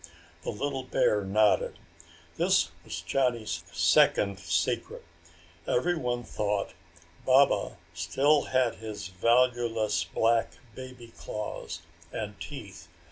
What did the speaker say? The little bear nodded. This was Johnny's second secret. Everyone thought Baba still had his valueless black baby claws and teeth.